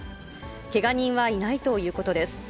けが人はいないということです。